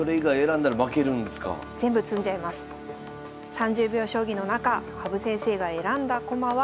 ３０秒将棋の中羽生先生が選んだ駒は。